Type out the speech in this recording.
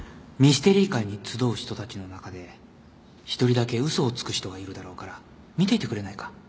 ミステリー会に集う人たちの中で１人だけ嘘をつく人がいるだろうから見ていてくれないか？